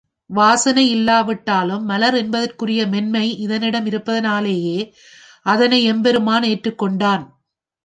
வாசனை இல்லாவிட்டாலும் மலர் என்பதற்குரிய மென்மை இதனிடம் இருப்பதனாலேயே அதனை எம்பெருமான் ஏற்றுக் கொண்டான்.